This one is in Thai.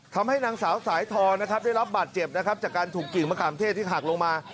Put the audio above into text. ทำให้นางสาวสายทอนะครับได้รับบาดเจ็บนะครับจากการถูกกิ่งมะขามเทศที่หักลงมา